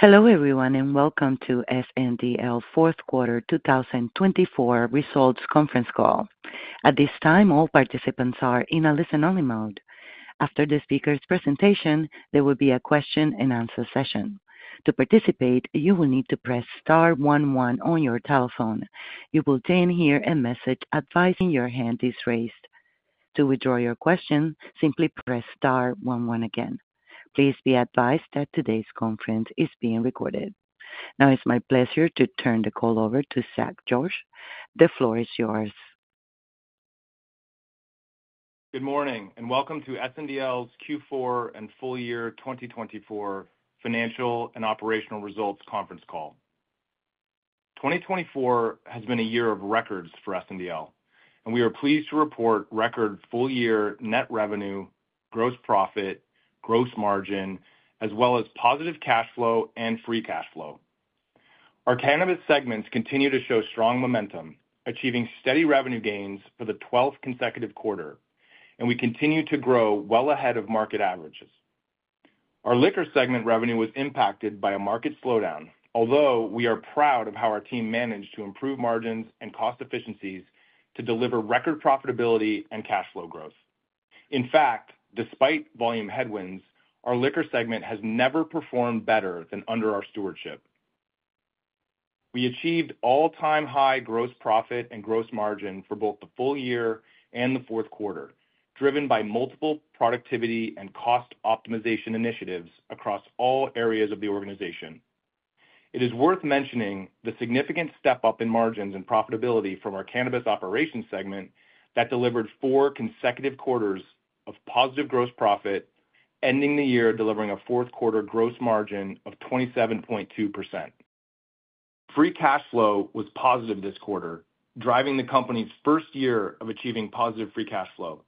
Hello everyone and welcome to SNDL Fourth Quarter 2024 Results Conference Call. At this time, all participants are in a listen-only mode. After the speaker's presentation, there will be a question-and-answer session. To participate, you will need to press star one one on your telephone. You will then hear a message advising you that your hand is raised. To withdraw your question, simply press star one one again. Please be advised that today's conference is being recorded. Now, it's my pleasure to turn the call over to Zach George. The floor is yours. Good morning and welcome to SNDL's Q4 and full year 2024 Financial and Operational Results Conference Call. 2024 has been a year of records for SNDL, and we are pleased to report record full year net revenue, gross profit, gross margin, as well as positive cash flow and free cash flow. Our Cannabis segments continue to show strong momentum, achieving steady revenue gains for the 12th consecutive quarter, and we continue to grow well ahead of market averages. Our Liquor segment revenue was impacted by a market slowdown, although we are proud of how our team managed to improve margins and cost efficiencies to deliver record profitability and cash flow growth. In fact, despite volume headwinds, our Liquor segment has never performed better than under our stewardship. We achieved all-time high gross profit and gross margin for both the full year and the fourth quarter, driven by multiple productivity and cost optimization initiatives across all areas of the organization. It is worth mentioning the significant step up in margins and profitability from our cannabis operations segment that delivered four consecutive quarters of positive gross profit, ending the year delivering a fourth quarter gross margin of 27.2%. Free cash flow was positive this quarter, driving the company's first year of achieving positive free cash flow.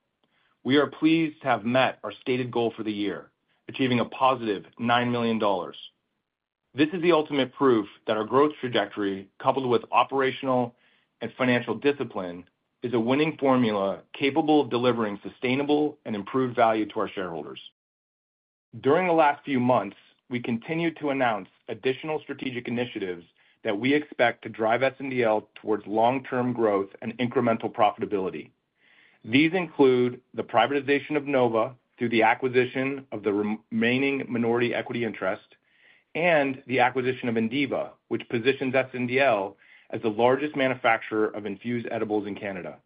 We are pleased to have met our stated goal for the year, achieving a +9 million dollars. This is the ultimate proof that our growth trajectory, coupled with operational and financial discipline, is a winning formula capable of delivering sustainable and improved value to our shareholders. During the last few months, we continued to announce additional strategic initiatives that we expect to drive SNDL towards long-term growth and incremental profitability. These include the privatization of Nova through the acquisition of the remaining minority equity interest and the acquisition of Indiva, which positions SNDL as the largest manufacturer of infused edibles in Canada.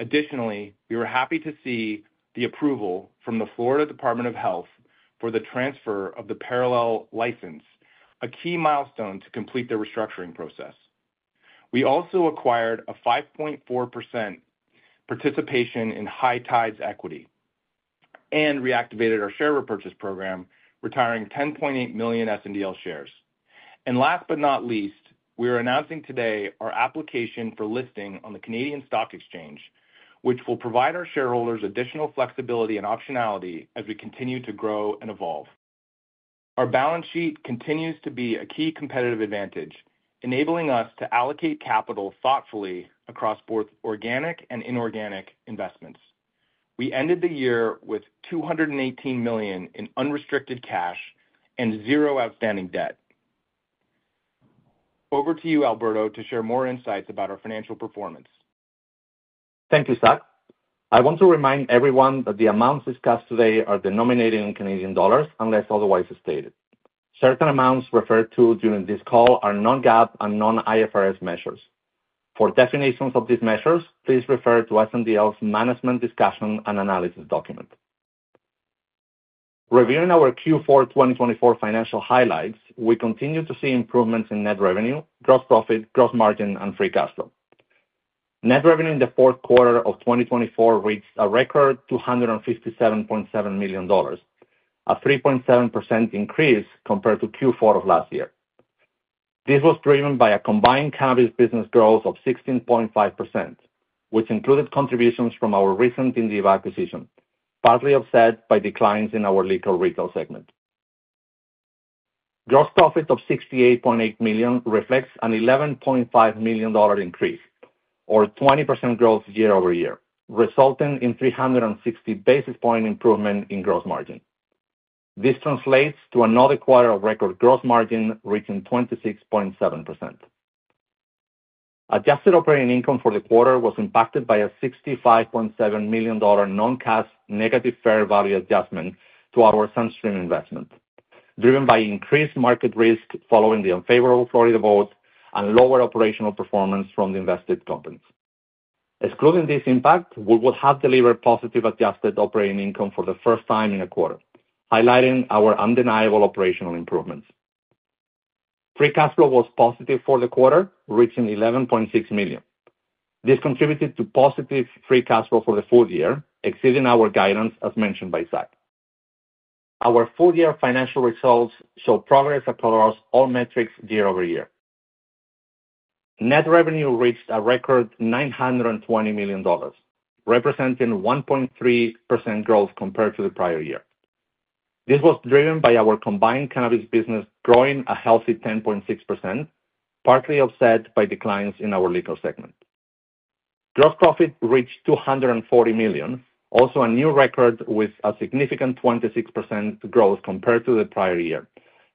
Additionally, we were happy to see the approval from the Florida Department of Health for the transfer of the Parallel license, a key milestone to complete the restructuring process. We also acquired a 5.4% participation in High Tide's equity and reactivated our share repurchase program, retiring 10.8 million SNDL shares. Last but not least, we are announcing today our application for listing on the Canadian Stock Exchange, which will provide our shareholders additional flexibility and optionality as we continue to grow and evolve. Our balance sheet continues to be a key competitive advantage, enabling us to allocate capital thoughtfully across both organic and inorganic investments. We ended the year with 218 million in unrestricted cash and zero outstanding debt. Over to you, Alberto, to share more insights about our financial performance. Thank you, Zach. I want to remind everyone that the amounts discussed today are denominated in CAD unless otherwise stated. Certain amounts referred to during this call are non-GAAP and non-IFRS measures. For definitions of these measures, please refer to SNDL's management discussion and analysis document. Reviewing our Q4 2024 financial highlights, we continue to see improvements in net revenue, gross profit, gross margin, and free cash flow. Net revenue in the fourth quarter of 2024 reached a record 257.7 million dollars, a 3.7% increase compared to Q4 of last year. This was driven by a combined cannabis business growth of 16.5%, which included contributions from our recent Indiva acquisition, partly offset by declines in our Liquor Retail segment. Gross profit of 68.8 million reflects an 11.5 million dollar increase, or 20% growth year-over-year, resulting in 360 basis points improvement in gross margin. This translates to another quarter of record gross margin reaching 26.7%. Adjusted operating income for the quarter was impacted by a $65.7 million non-cash negative fair value adjustment to our SunStream investment, driven by increased market risk following the unfavorable Florida vote and lower operational performance from the invested companies. Excluding this impact, we would have delivered positive adjusted operating income for the first time in a quarter, highlighting our undeniable operational improvements. Free cash flow was positive for the quarter, reaching 11.6 million. This contributed to positive free cash flow for the full year, exceeding our guidance as mentioned by Zach. Our full year financial results show progress across all metrics year-over-year. Net revenue reached a record 920 million dollars, representing 1.3% growth compared to the prior year. This was driven by our combined cannabis business growing a healthy 10.6%, partly offset by declines in our Liquor segment. Gross profit reached 240 million, also a new record with a significant 26% growth compared to the prior year,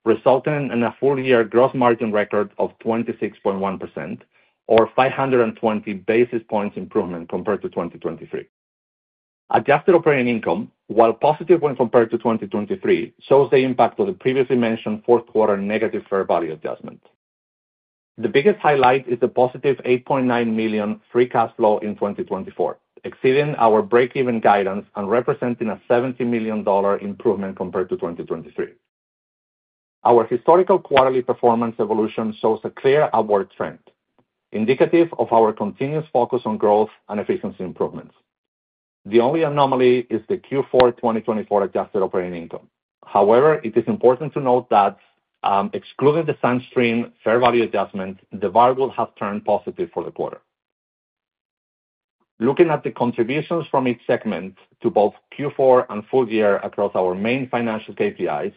resulting in a full year gross margin record of 26.1%, or 520 basis points improvement compared to 2023. Adjusted operating income, while positive when compared to 2023, shows the impact of the previously mentioned fourth quarter negative fair value adjustment. The biggest highlight is the positive 8.9 million free cash flow in 2024, exceeding our break-even guidance and representing a 70 million dollar improvement compared to 2023. Our historical quarterly performance evolution shows a clear upward trend, indicative of our continuous focus on growth and efficiency improvements. The only anomaly is the Q4 2024 adjusted operating income. However, it is important to note that excluding the SunStream fair value adjustment, the value would have turned positive for the quarter. Looking at the contributions from each segment to both Q4 and full year across our main financial KPIs,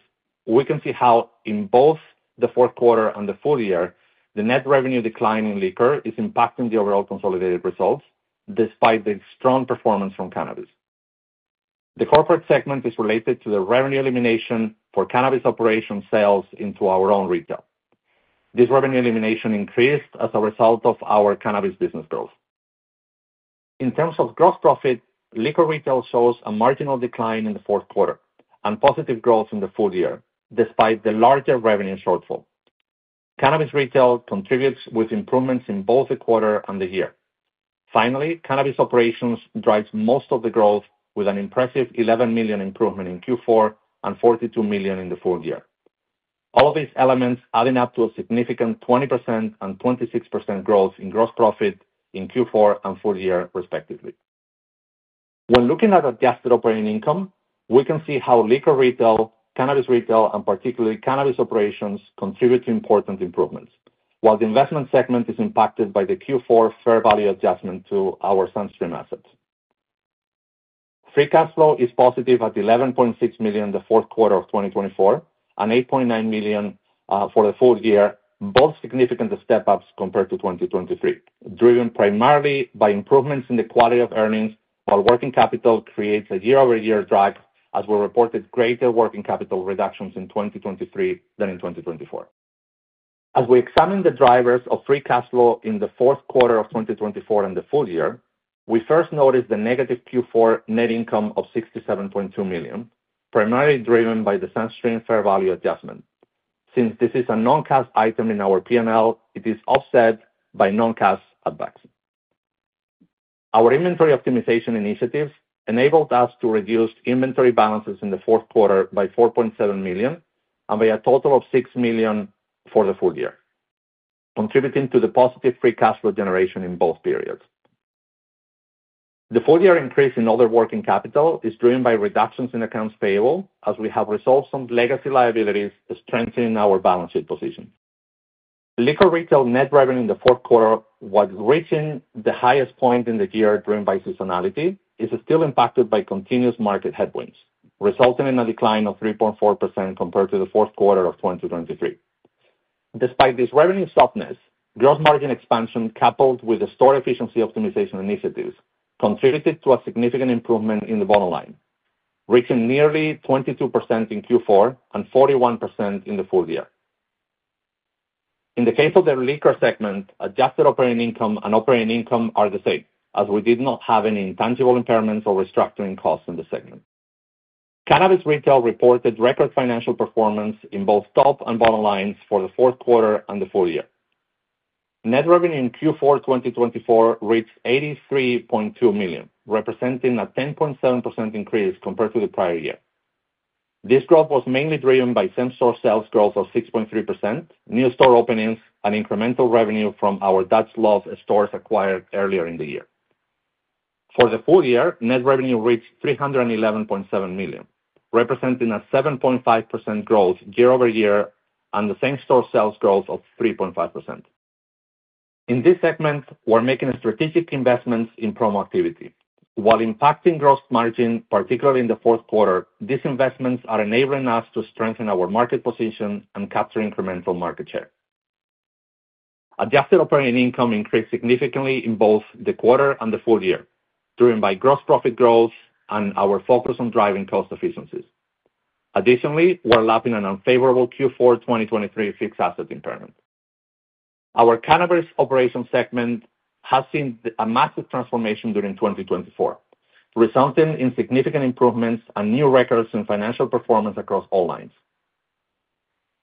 we can see how in both the fourth quarter and the full year, the net revenue decline in liquor is impacting the overall consolidated results despite the strong performance from cannabis. The corporate segment is related to the revenue elimination for cannabis operation sales into our own retail. This revenue elimination increased as a result of our Cannabis business growth. In terms of gross profit, Liquor Retail shows a marginal decline in the fourth quarter and positive growth in the full year despite the larger revenue shortfall. Cannabis retail contributes with improvements in both the quarter and the year. Finally, cannabis operations drives most of the growth with an impressive 11 million improvement in Q4 and 42 million in the full year. All of these elements adding up to a significant 20% and 26% growth in gross profit in Q4 and full year, respectively. When looking at adjusted operating income, we can see how liquor retail, cannabis retail, and particularly cannabis operations contribute to important improvements, while the investment segment is impacted by the Q4 fair value adjustment to our SunStream assets. Free cash flow is positive at 11.6 million in the fourth quarter of 2024 and 8.9 million for the full year, both significant step-ups compared to 2023, driven primarily by improvements in the quality of earnings while working capital creates a year-over-year drag as we reported greater working capital reductions in 2023 than in 2024. As we examine the drivers of free cash flow in the fourth quarter of 2024 and the full year, we first notice the negative Q4 net income of 67.2 million, primarily driven by the SunStream fair value adjustment. Since this is a non-cash item in our P&L, it is offset by non-cash add-backs. Our inventory optimization initiatives enabled us to reduce inventory balances in the fourth quarter by 4.7 million and by a total of 6 million for the full year, contributing to the positive free cash flow generation in both periods. The full-year increase in other working capital is driven by reductions in accounts payable as we have resolved some legacy liabilities, strengthening our balance sheet position. Liquor retail net revenue in the fourth quarter, while reaching the highest point in the year driven by seasonality, is still impacted by continuous market headwinds, resulting in a decline of 3.4% compared to the fourth quarter of 2023. Despite this revenue softness, gross margin expansion coupled with the store efficiency optimization initiatives contributed to a significant improvement in the bottom line, reaching nearly 22% in Q4 and 41% in the full year. In the case of the liquor segment, adjusted operating income and operating income are the same as we did not have any intangible impairments or restructuring costs in the segment. Cannabis retail reported record financial performance in both top and bottom lines for the fourth quarter and the full year. Net revenue in Q4 2024 reached 83.2 million, representing a 10.7% increase compared to the prior year. This growth was mainly driven by same-store sales growth of 6.3%, new store openings, and incremental revenue from our Dutch Love stores acquired earlier in the year. For the full year, net revenue reached 311.7 million, representing a 7.5% growth year-over-year and the same-store sales growth of 3.5%. In this segment, we are making strategic investments in promo activity. While impacting gross margin, particularly in the fourth quarter, these investments are enabling us to strengthen our market position and capture incremental market share. Adjusted operating income increased significantly in both the quarter and the full year, driven by gross profit growth and our focus on driving cost efficiencies. Additionally, we are lapping an unfavorable Q4 2023 fixed asset impairment. Our cannabis operations segment has seen a massive transformation during 2024, resulting in significant improvements and new records in financial performance across all lines.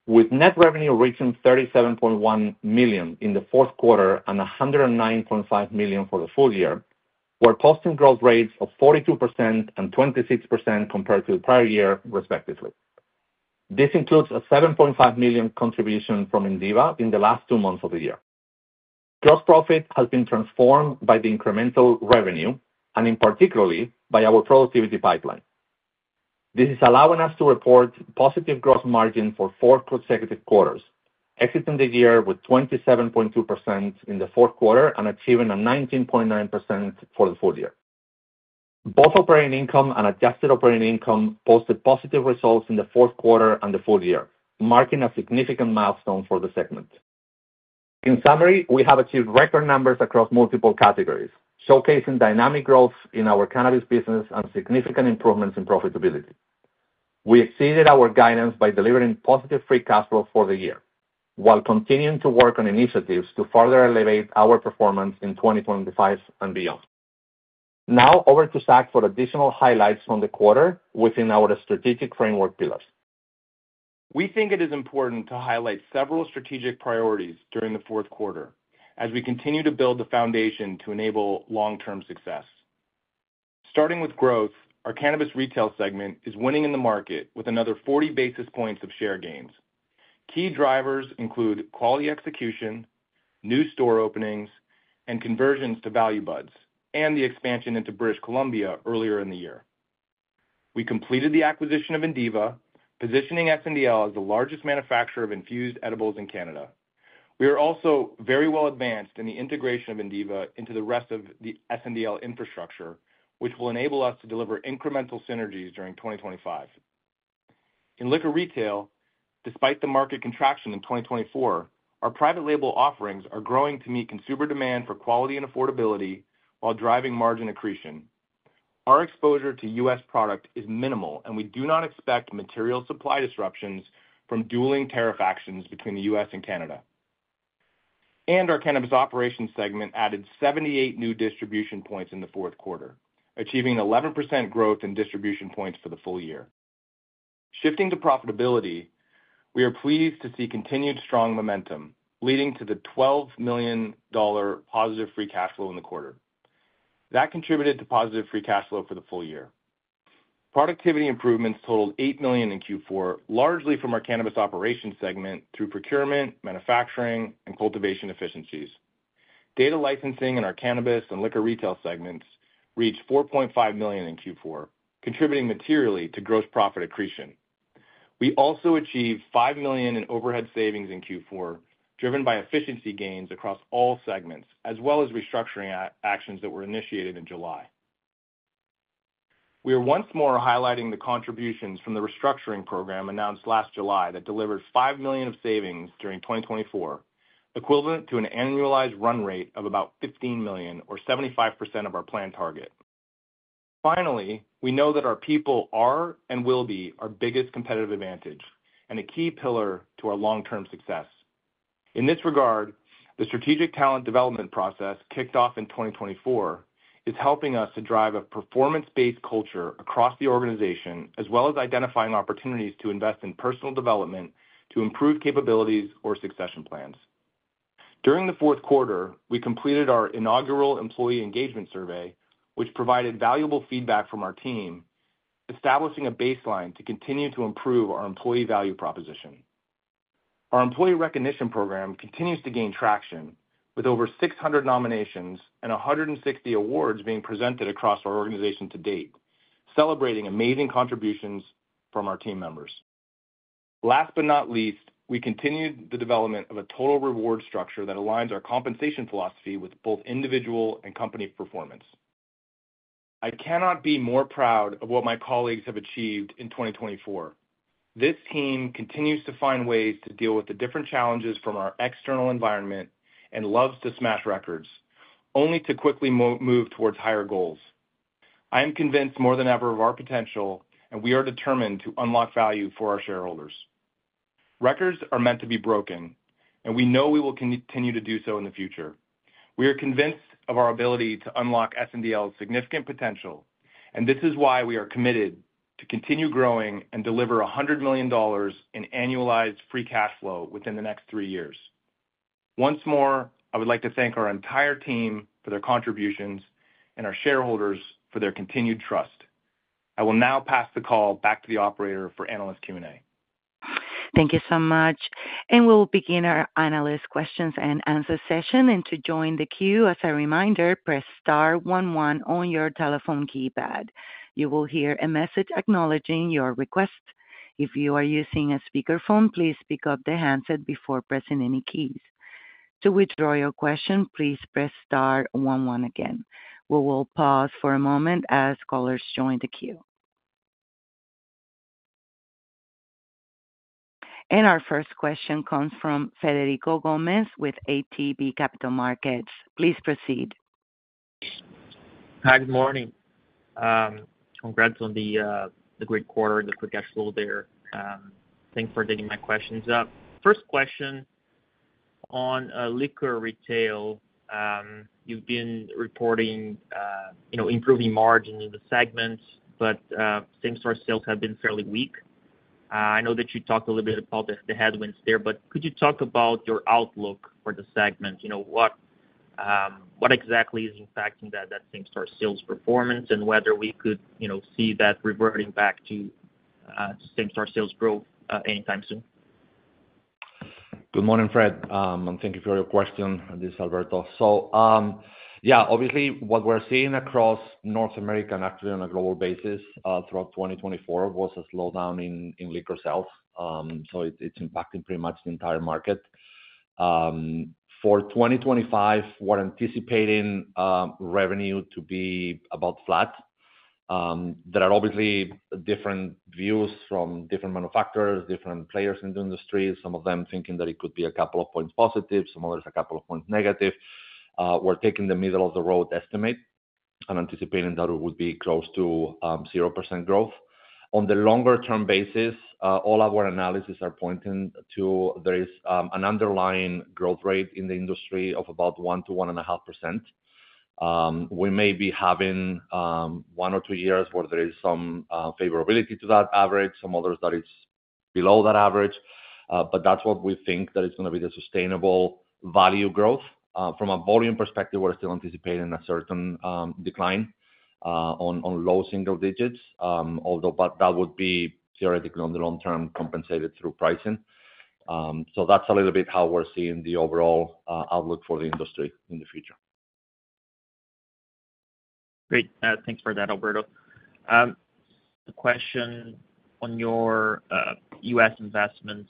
With net revenue reaching 37.1 million in the fourth quarter and 109.5 million for the full year, we're posting growth rates of 42% and 26% compared to the prior year, respectively. This includes a 7.5 million contribution from Indiva in the last two months of the year. Gross profit has been transformed by the incremental revenue and, in particular, by our productivity pipeline. This is allowing us to report positive gross margin for four consecutive quarters, exiting the year with 27.2% in the fourth quarter and achieving a 19.9% for the full year. Both operating income and adjusted operating income posted positive results in the fourth quarter and the full year, marking a significant milestone for the segment. In summary, we have achieved record numbers across multiple categories, showcasing dynamic growth in our cannabis business and significant improvements in profitability. We exceeded our guidance by delivering positive free cash flow for the year, while continuing to work on initiatives to further elevate our performance in 2025 and beyond. Now, over to Zach for additional highlights from the quarter within our strategic framework pillars. We think it is important to highlight several strategic priorities during the fourth quarter as we continue to build the foundation to enable long-term success. Starting with growth, our cannabis retail segment is winning in the market with another 40 basis points of share gains. Key drivers include quality execution, new store openings, and conversions to Value Buds, and the expansion into British Columbia earlier in the year. We completed the acquisition of Indiva, positioning SNDL as the largest manufacturer of infused edibles in Canada. We are also very well advanced in the integration of Indiva into the rest of the SNDL infrastructure, which will enable us to deliver incremental synergies during 2025. In liquor retail, despite the market contraction in 2024, our private label offerings are growing to meet consumer demand for quality and affordability while driving margin accretion. Our exposure to U.S. product is minimal, and we do not expect material supply disruptions from dueling tariff actions between the U.S. and Canada. Our cannabis operations segment added 78 new distribution points in the fourth quarter, achieving 11% growth in distribution points for the full year. Shifting to profitability, we are pleased to see continued strong momentum, leading to the 12 million dollar positive free cash flow in the quarter. That contributed to positive free cash flow for the full year. Productivity improvements totaled 8 million in Q4, largely from our cannabis operations segment through procurement, manufacturing, and cultivation efficiencies. Data licensing in our cannabis and liquor retail segments reached 4.5 million in Q4, contributing materially to gross profit accretion. We also achieved 5 million in overhead savings in Q4, driven by efficiency gains across all segments, as well as restructuring actions that were initiated in July. We are once more highlighting the contributions from the restructuring program announced last July that delivered 5 million of savings during 2024, equivalent to an annualized run rate of about 15 million, or 75% of our planned target. Finally, we know that our people are and will be our biggest competitive advantage and a key pillar to our long-term success. In this regard, the strategic talent development process kicked off in 2024 is helping us to drive a performance-based culture across the organization, as well as identifying opportunities to invest in personal development to improve capabilities or succession plans. During the fourth quarter, we completed our inaugural employee engagement survey, which provided valuable feedback from our team, establishing a baseline to continue to improve our employee value proposition. Our employee recognition program continues to gain traction, with over 600 nominations and 160 awards being presented across our organization to date, celebrating amazing contributions from our team members. Last but not least, we continued the development of a total reward structure that aligns our compensation philosophy with both individual and company performance. I cannot be more proud of what my colleagues have achieved in 2024. This team continues to find ways to deal with the different challenges from our external environment and loves to smash records, only to quickly move towards higher goals. I am convinced more than ever of our potential, and we are determined to unlock value for our shareholders. Records are meant to be broken, and we know we will continue to do so in the future. We are convinced of our ability to unlock SNDL's significant potential, and this is why we are committed to continue growing and deliver 100 million dollars in annualized free cash flow within the next three years. Once more, I would like to thank our entire team for their contributions and our shareholders for their continued trust. I will now pass the call back to the operator for analyst Q&A. Thank you so much. We will begin our analyst questions and answers session. To join the queue, as a reminder, press star one one on your telephone keypad. You will hear a message acknowledging your request. If you are using a speakerphone, please pick up the handset before pressing any keys. To withdraw your question, please press star one one again. We will pause for a moment as callers join the queue. Our first question comes from Frederico Gomes with ATB Capital Markets. Please proceed. Hi, good morning. Congrats on the great quarter and the free cash flow there. Thanks for getting my questions up. First question on liquor retail. You've been reporting improving margins in the segment, but same-store sales have been fairly weak. I know that you talked a little bit about the headwinds there, but could you talk about your outlook for the segment? What exactly is impacting that same-store sales performance and whether we could see that reverting back to same-store sales growth anytime soon? Good morning, Fred, and thank you for your question. This is Alberto. Yeah, obviously, what we're seeing across North America, and actually on a global basis throughout 2024, was a slowdown in liquor sales. It is impacting pretty much the entire market. For 2025, we're anticipating revenue to be about flat. There are obviously different views from different manufacturers, different players in the industry, some of them thinking that it could be a couple of points positive, some others a couple of points negative. We're taking the middle-of-the-road estimate and anticipating that it would be close to 0% growth. On the longer-term basis, all our analyses are pointing to there is an underlying growth rate in the industry of about 1%-1.5%. We may be having one or two years where there is some favorability to that average, some others that it's below that average. That is what we think that it is going to be the sustainable value growth. From a volume perspective, we are still anticipating a certain decline on low single digits, although that would be theoretically on the long term compensated through pricing. That is a little bit how we are seeing the overall outlook for the industry in the future. Great. Thanks for that, Alberto. The question on your U.S. investments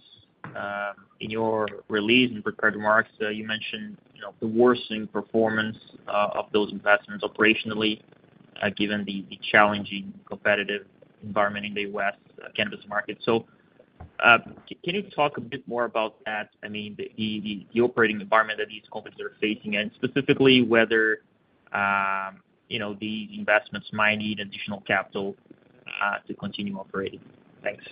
in your release and prepared remarks, you mentioned the worsening performance of those investments operationally given the challenging competitive environment in the U.S. cannabis market. Can you talk a bit more about that? I mean, the operating environment that these companies are facing and specifically whether these investments might need additional capital to continue operating. Thanks.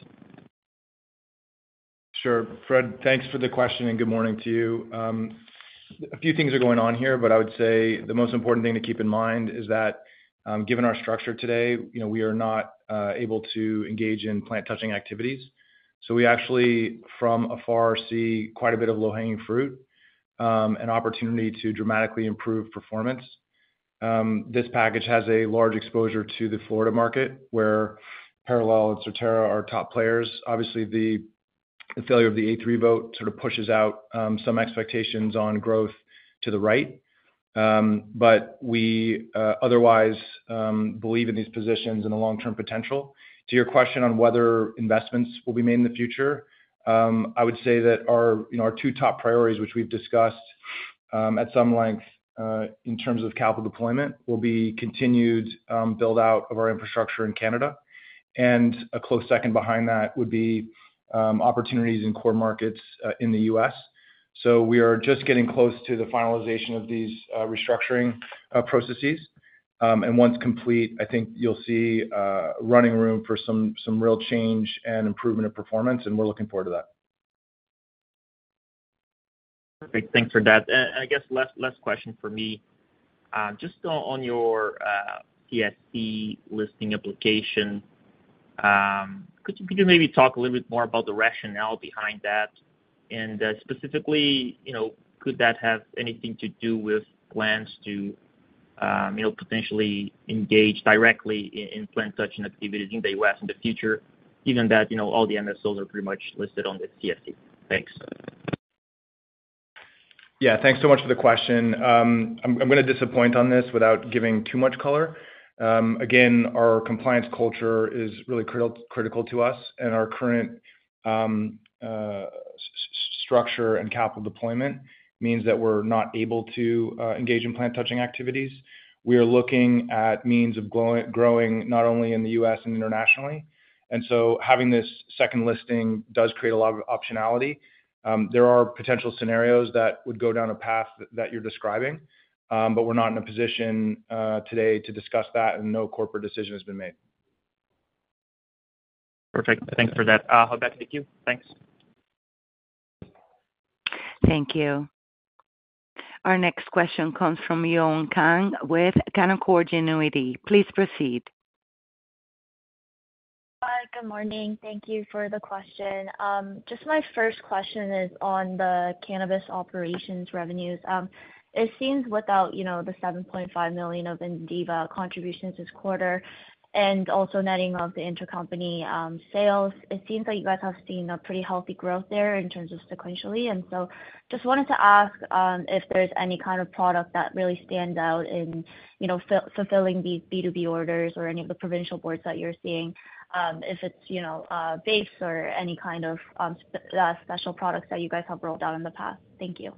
Sure. Fred, thanks for the question and good morning to you. A few things are going on here, but I would say the most important thing to keep in mind is that given our structure today, we are not able to engage in plant-touching activities. So we actually, from afar, see quite a bit of low-hanging fruit and opportunity to dramatically improve performance. This package has a large exposure to the Florida market, where Parallel and Surterra are top players. Obviously, the failure of the A3 vote sort of pushes out some expectations on growth to the right. We otherwise believe in these positions and the long-term potential. To your question on whether investments will be made in the future, I would say that our two top priorities, which we've discussed at some length in terms of capital deployment, will be continued build-out of our infrastructure in Canada. A close second behind that would be opportunities in core markets in the U.S. We are just getting close to the finalization of these restructuring processes. Once complete, I think you'll see running room for some real change and improvement of performance, and we're looking forward to that. Perfect. Thanks for that. I guess last question for me. Just on your CSE listing application, could you maybe talk a little bit more about the rationale behind that? Specifically, could that have anything to do with plans to potentially engage directly in plant-touching activities in the U.S. in the future, given that all the MSOs are pretty much listed on the CSE? Thanks. Yeah. Thanks so much for the question. I'm going to disappoint on this without giving too much color. Again, our compliance culture is really critical to us, and our current structure and capital deployment means that we're not able to engage in plant-touching activities. We are looking at means of growing not only in the U.S. and internationally. Having this second listing does create a lot of optionality. There are potential scenarios that would go down a path that you're describing, but we're not in a position today to discuss that, and no corporate decision has been made. Perfect. Thanks for that. Alberto, to you. Thanks. Thank you. Our next question comes from Yewon Kang with Canaccord Genuity. Please proceed. Hi, good morning. Thank you for the question. Just my first question is on the cannabis operations revenues. It seems without the 7.5 million of Indiva contributions this quarter and also netting of the intercompany sales, it seems like you guys have seen a pretty healthy growth there in terms of sequentially. Just wanted to ask if there's any kind of product that really stands out in fulfilling these B2B orders or any of the provincial boards that you're seeing, if it's base or any kind of special products that you guys have rolled out in the past. Thank you.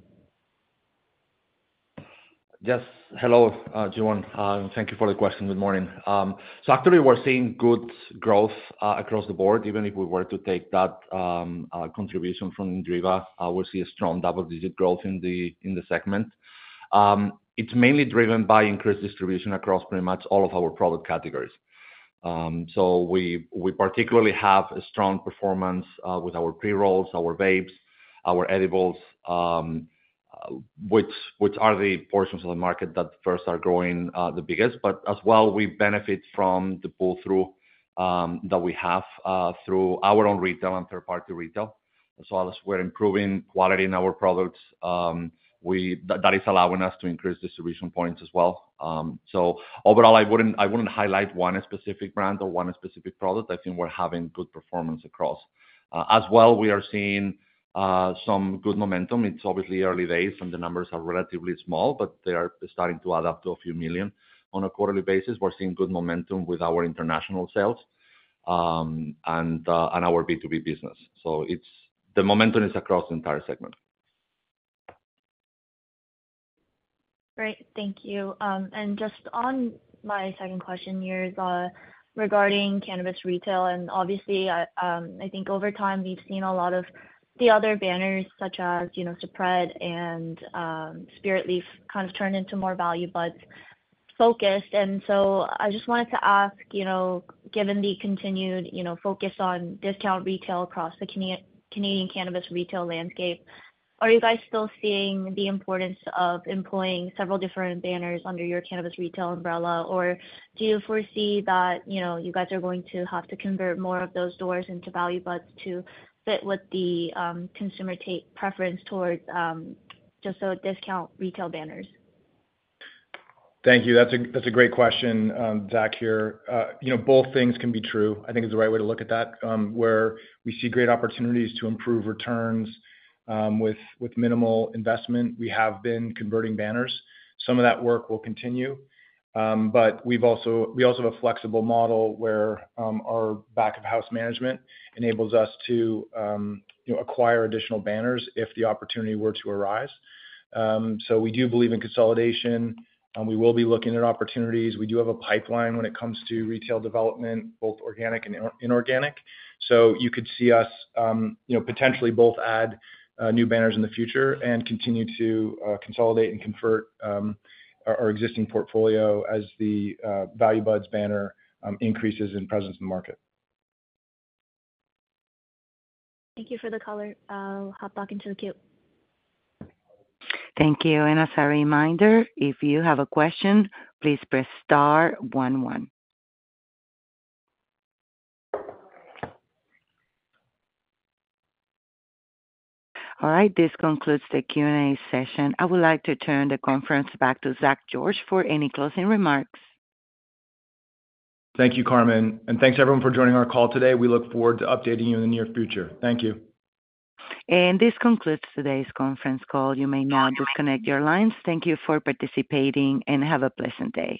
Yes. Hello, Yewon. Thank you for the question. Good morning. Actually, we're seeing good growth across the board. Even if we were to take that contribution from Indiva, we'll see a strong double-digit growth in the segment. It's mainly driven by increased distribution across pretty much all of our product categories. We particularly have strong performance with our pre-rolls, our vapes, our edibles, which are the portions of the market that first are growing the biggest. As well, we benefit from the pull-through that we have through our own retail and third-party retail. We are improving quality in our products, and that is allowing us to increase distribution points as well. Overall, I wouldn't highlight one specific brand or one specific product. I think we're having good performance across. We are seeing some good momentum. It's obviously early days and the numbers are relatively small, but they are starting to add up to a few million on a quarterly basis. We're seeing good momentum with our international sales and our B2B business. The momentum is across the entire segment. Great. Thank you. Just on my second question here is regarding cannabis retail. Obviously, I think over time we've seen a lot of the other banners such as Superette and Spiritleaf kind of turn into more Value Buds focused. I just wanted to ask, given the continued focus on discount retail across the Canadian cannabis retail landscape, are you guys still seeing the importance of employing several different banners under your cannabis retail umbrella, or do you foresee that you guys are going to have to convert more of those doors into Value Buds to fit with the consumer preference towards just discount retail banners? Thank you. That's a great question, Zach here. Both things can be true. I think it's the right way to look at that. Where we see great opportunities to improve returns with minimal investment, we have been converting banners. Some of that work will continue. We also have a flexible model where our back-of-house management enables us to acquire additional banners if the opportunity were to arise. We do believe in consolidation. We will be looking at opportunities. We do have a pipeline when it comes to retail development, both organic and inorganic. You could see us potentially both add new banners in the future and continue to consolidate and convert our existing portfolio as the Value Buds banner increases in presence in the market. Thank you for the caller. I'll hop back into the queue. Thank you. As a reminder, if you have a question, please press star one one. All right. This concludes the Q&A session. I would like to turn the conference back to Zach George for any closing remarks. Thank you, Carmen. Thank you everyone for joining our call today. We look forward to updating you in the near future. Thank you. This concludes today's conference call. You may now disconnect your lines. Thank you for participating and have a pleasant day.